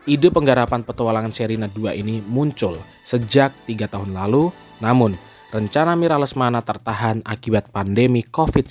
ide penggarapan petualangan serina dua ini muncul sejak tiga tahun lalu namun rencana mira lesmana tertahan akibat pandemi covid sembilan belas